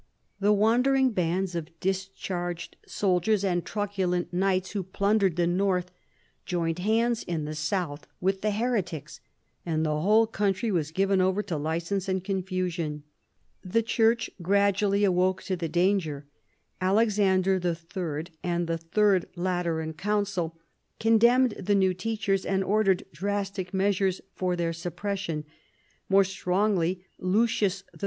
The wandering bands of discharged soldiers and trucu lent knights who plundered the north, joined hands in the south with the heretics, and the whole country was given over to licence and confusion. The church gradually awoke to the danger. Alexander III. and the Third Lateran Council condemned the new teachers and ordered drastic measures for their suppression. More strongly Lucius III.